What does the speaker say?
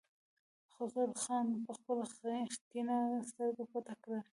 خسرو خان خپله کيڼه سترګه پټه کړه.